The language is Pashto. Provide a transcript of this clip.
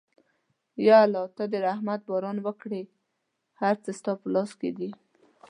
یا الله ته د رحمت باران وکړه، هر څه ستا په لاس کې دي.